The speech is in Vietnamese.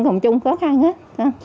không chung khó khăn hết